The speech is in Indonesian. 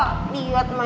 aku mau ke rumah